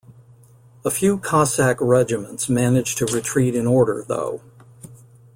A few Cossack regiments managed to retreat in order though.